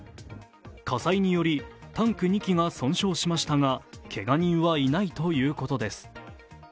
火災によりタンク２基が損傷しましたが、けが人はいないということです。